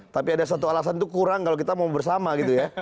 tapi ada satu alasan itu kurang kalau kita mau bersama gitu ya